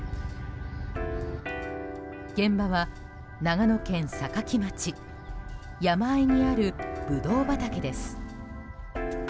現場は長野県坂城町山あいにあるブドウ畑です。